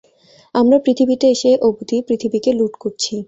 আমরা পৃথিবীতে এসে অবধি পৃথিবীকে লুঠ করছি।